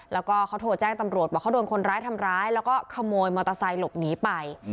แล้วก็เขาโทรแจ้งตำรวจบอกเขาโดนคนร้ายทำร้ายแล้วก็ขโมยมอเตอร์ไซค์หลบหนีไป